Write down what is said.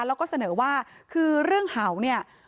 แล้วก็เสนอว่าคือเรื่องเห่าเนี่ย